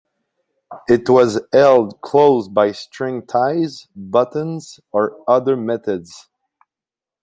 It was held closed by string ties, buttons, or other methods.